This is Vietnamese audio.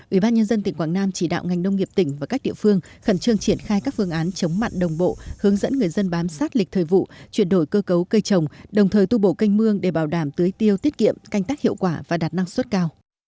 ủy ban nhân dân tỉnh quảng nam chỉ đạo ngành nông nghiệp tỉnh và các địa phương khẩn trương triển khai các phương án chống mặn đồng bộ hướng dẫn người dân bám sát lịch thời vụ chuyển đổi cơ cấu cây trồng đồng thời tu bổ canh mương để bảo đảm tưới tiêu tiết kiệm canh tác hiệu quả và đạt năng suất cao